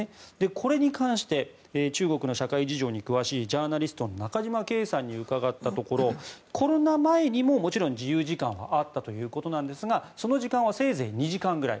これに関して中国の社会事情に詳しいジャーナリストの中島恵さんに伺ったところコロナ前にももちろん自由時間はあったということですがその時間はせいぜい２時間くらい。